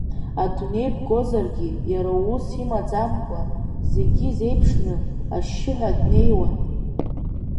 Адунеи бгозаргьы, иара усс имаӡамкәа, зегьы изеиԥшны, ашьшьыҳәа днеиуан.